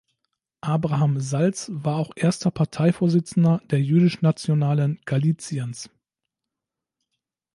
Abraham Salz war auch erster Parteivorsitzender der Jüdisch-Nationalen Galiziens.